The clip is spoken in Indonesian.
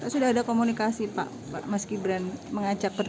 sudah ada komunikasi pak pak mas kibran mengajak pertemu